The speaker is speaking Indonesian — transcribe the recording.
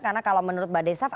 karena kalau menurut mbak desaf